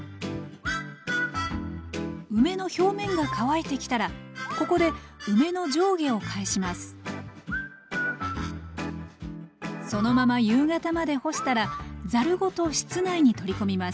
梅の表面が乾いてきたらここで梅の上下を返しますそのまま夕方まで干したらざるごと室内に取り込みます。